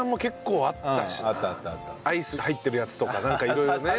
アイス入ってるやつとかなんか色々ね。